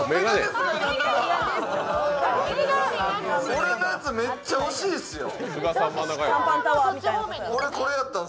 俺のやつ、めっちゃ惜しいですよ。